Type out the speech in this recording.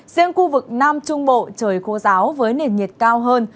riêng khu vực nam trung bộ trời khô giáo với nền nhiệt cao hơn